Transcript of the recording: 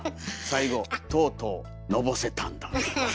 最後「とうとのぼせたんだー」。